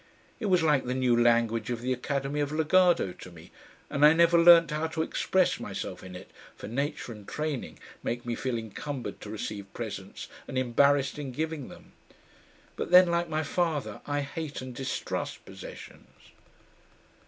It was like the new language of the Academy of Lagado to me, and I never learnt how to express myself in it, for nature and training make me feel encumbered to receive presents and embarrassed in giving them. But then, like my father, I hate and distrust possessions.